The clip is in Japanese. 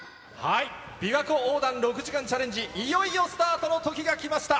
びわ湖横断６時間チャレンジ、いよいよスタートのときが来ました。